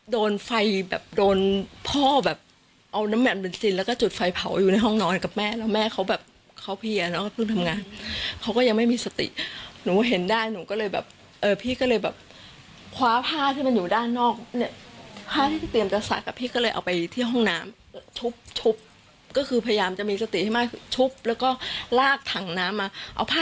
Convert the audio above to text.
โดนไฟแบบโดนพ่อแบบเอาน้ำแหม่มเบนซินแล้วก็จุดไฟเผาอยู่ในห้องนอนกับแม่แล้วแม่เขาแบบเขาเพียเนาะเพิ่งทำงานเขาก็ยังไม่มีสติหนูเห็นได้หนูก็เลยแบบเออพี่ก็เลยแบบคว้าผ้าที่มันอยู่ด้านนอกเนี่ยผ้าที่เตรียมจะซักอ่ะพี่ก็เลยเอาไปที่ห้องน้ำทุบก็คือพยายามจะมีสติให้มากชุบแล้วก็ลากถังน้ำมาเอาผ้า